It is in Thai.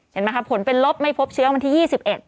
เห็นไหมครับผลเป็นลบไม่พบเชื้อวันที่๒๑